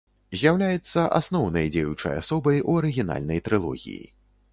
З'яўляецца асноўнай дзеючай асобай у арыгінальнай трылогіі.